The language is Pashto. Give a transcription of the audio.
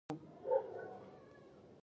او خياالتو د اثر پۀ وجه د قامپرست سياست نه